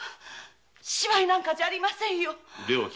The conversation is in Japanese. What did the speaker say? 芝居なんかじゃありませんよ。